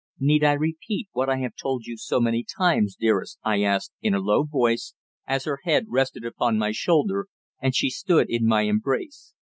"Need I repeat what I have told you so many times, dearest?" I asked, in a low voice, as her head rested upon my shoulder and she stood in my embrace.